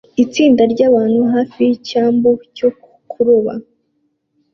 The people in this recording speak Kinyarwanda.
Itsinda ryabantu hafi yicyambu cyo kuroba